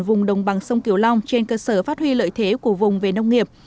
vùng đồng bằng sông kiều long trên cơ sở phát huy lợi thế của vùng về nông nghiệp